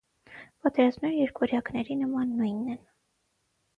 Պատերազմները երկվորյակների նման նույնն են…